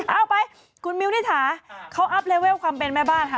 เอาไปคุณมิวนิถาเขาอัพเลเวลความเป็นแม่บ้านค่ะ